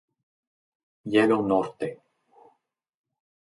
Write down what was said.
Hielo Norte